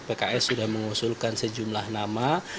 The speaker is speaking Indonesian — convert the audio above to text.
pks sudah mengusulkan sejumlah nama